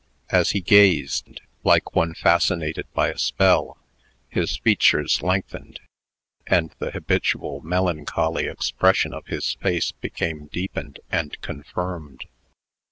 As he gazed, like one fascinated by a spell, his features lengthened, and the habitually melancholy expression of his face became deepened and confirmed.